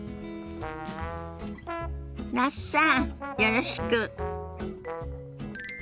那須さんよろしく。